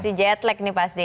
masih jet lag nih pasti ya